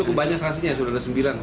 cukup banyak saksinya sudah ada sembilan